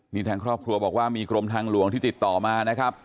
นี่ทางครอบครัวบอกว่ามีกรมทางหลวงที่ติดต่อมานะครับ